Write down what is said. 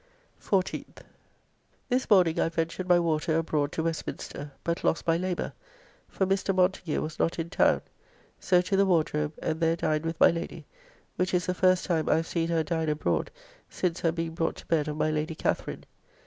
14th. This morning I ventured by water abroad to Westminster, but lost my labour, for Mr. Montagu was not in town. So to the Wardrobe, and there dined with my Lady, which is the first time I have seen her dine abroad since her being brought to bed of my Lady Katherine.